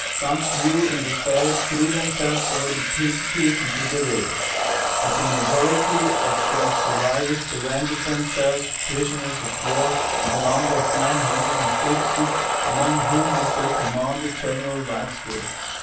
Some few in despair threw themselves over the precipices into the river; but the majority of the survivors surrendered themselves prisoners of war, to the number of nine hundred and fifty, among whom was their commander, General Wadsworth.